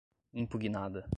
impugnada